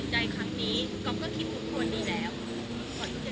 ก๊อฟก็คิดทบทวนดีแล้ว